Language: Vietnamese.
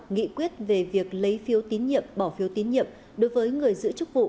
nghị quyết về việc lấy phiếu tín nhiệm bỏ phiếu tín nhiệm đối với người giữ chức vụ